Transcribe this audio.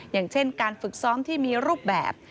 อย่างเช่นการฝึกซ้อมที่มีรูปแบบ